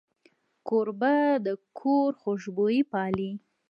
کوربه د کور خوشبويي پالي.